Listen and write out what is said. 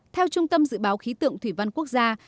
theo trung tâm dự báo khí tượng thủy văn quốc gia